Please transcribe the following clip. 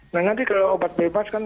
nah nanti kalau obat bebas kan